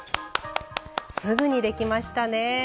すぐにできましたね。